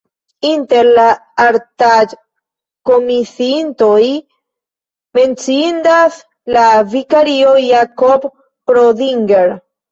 Inter la artaĵkomisiintoj menciindas la vikario Jakob Prodinger.